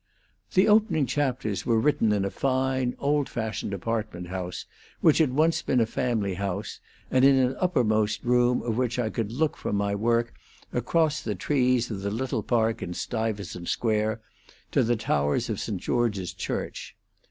The opening chapters were written in a fine, old fashioned apartment house which had once been a family house, and in an uppermost room of which I could look from my work across the trees of the little park in Stuyvesant Square to the towers of St. George's Church.